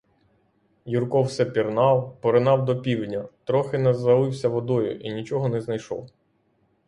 Юрко все пірнав, поринав до півдня, трохи не залився водою і нічого не знайшов.